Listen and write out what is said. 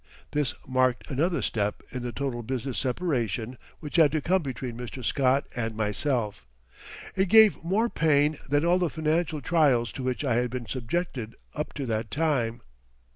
This marked another step in the total business separation which had to come between Mr. Scott and myself. It gave more pain than all the financial trials to which I had been subjected up to that time.